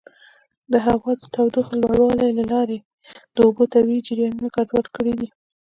د هوا د تودوخې لوړوالي له لارې د اوبو طبیعي جریانونه ګډوډ کړي دي.